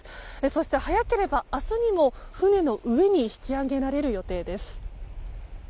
そして早ければ明日にも船の上に引き揚げられる予定です。